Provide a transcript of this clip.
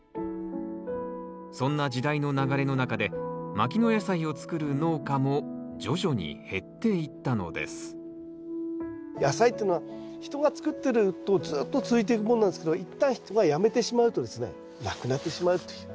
そんな時代の流れの中で牧野野菜を作る農家も徐々に減っていったのです野菜ってのは人が作ってるとずっと続いていくものなんですけど一旦人がやめてしまうとですねなくなってしまうという。